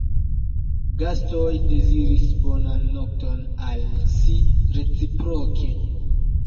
Gastoj deziris bonan nokton al si reciproke.